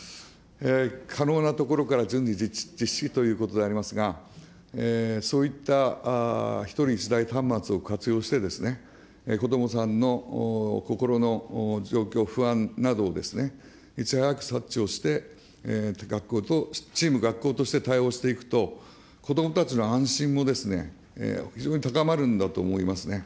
可能なところから順次実施ということでありますが、そういった１人１台端末を活用して、子どもさんの心の状況、不安などをいち早く察知をして、学校と、チーム学校として対応していくと、子どもたちの安心も非常に高まるんだと思いますね。